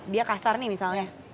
dia kasar nih misalnya